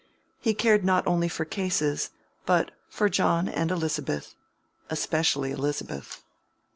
He cared not only for "cases," but for John and Elizabeth, especially Elizabeth.